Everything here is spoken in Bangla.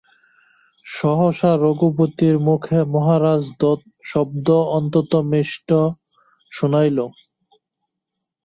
সহসা রঘুপতির মুখে মহারাজ শব্দ অত্যন্ত মিষ্ট শুনাইল।